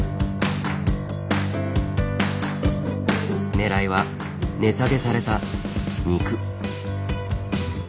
ねらいは値下げされた肉。